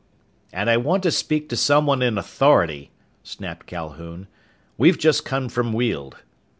"And I want to speak to someone in authority," snapped Calhoun. "We've just come from Weald."